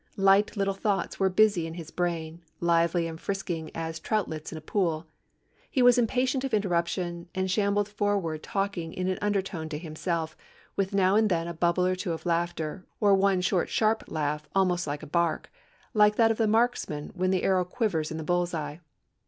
Light little thoughts were busy in his brain, lively and frisking as 'troutlets in a pool.' He was impatient of interruption, and shambled forward talking in an undertone to himself, with now and then a bubble or two of laughter, or one short sharp laugh almost like a bark, like that of the marksman when the arrow quivers in the bull's eye.